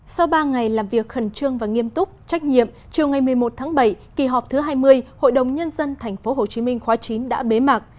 sau ba ngày làm việc khẩn trương và nghiêm túc trách nhiệm chiều ngày một mươi một tháng bảy kỳ họp thứ hai mươi hội đồng nhân dân tp hcm khóa chín đã bế mạc